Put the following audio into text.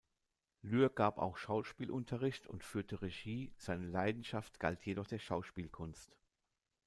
Lühr gab auch Schauspielunterricht und führte Regie, seine Leidenschaft galt jedoch der Schauspielkunst.